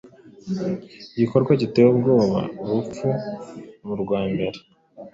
Igikorwa giteye ubwoba urupfu nurwambere